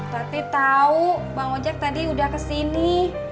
tati tahu bang ojak tadi udah kesini